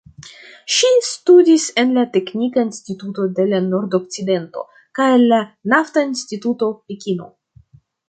Ŝi studis en la "Teknika Instituto de la Nordokcidento" kaj la "Nafta Instituto Pekino".